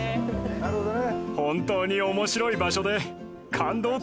なるほどね。